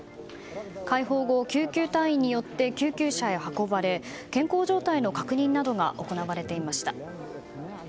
解放後、救急隊員によって救急車へ運ばれ健康状態の確認などが行われていました。